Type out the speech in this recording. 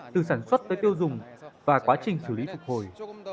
từ sản xuất tới tiêu dùng và quá trình xử lý phục hồi